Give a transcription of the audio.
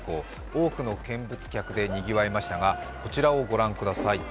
多くの見物客でにぎわいましたがこちらをご覧ください。